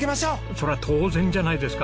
そりゃ当然じゃないですか